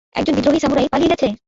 একজন বিদ্রোহী সামুরাই পালিয়ে গেছে!